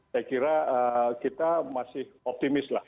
saya kira kita masih optimis lah